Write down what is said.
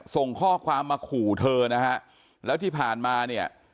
ส่งข้อความมาขู่เธอนะฮะแล้วที่ผ่านมาเนี่ย